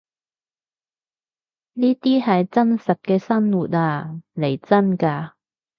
呢啲係真實嘅生活呀，嚟真㗎